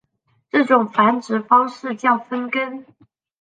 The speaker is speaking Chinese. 这种繁殖方式叫分根。